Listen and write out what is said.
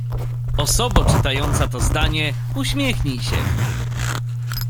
Osobo czytająca to zdanie, uśmiechnij się.